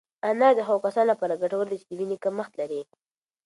انار د هغو کسانو لپاره ګټور دی چې د وینې کمښت لري.